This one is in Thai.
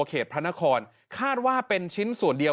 พระนครคาดว่าเป็นชิ้นส่วนเดียว